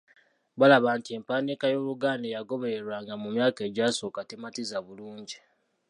Baalaba nti empandiika y’Oluganda eyagobererwanga mu myaka egyasooka tematiza bulungi.